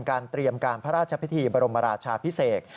เตรียมการพระราชพิธีบรมราชาพิเศษ